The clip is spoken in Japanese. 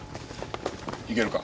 行けるか？